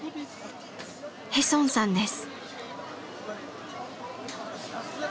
ヘソンさんです。